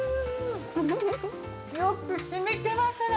フフフよく染みてますね！